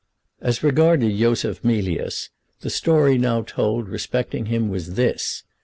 As regarded Yosef Mealyus the story now told respecting him was this.